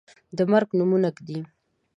د مرګ نومونه ږدي